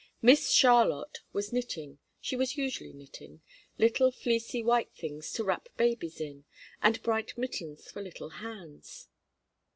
Miss Charlotte was knitting she was usually knitting little fleecy white things to wrap babies in, and bright mittens for little hands.